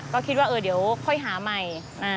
ก็คิดว่าเดี๋ยวค่อยหาใหม่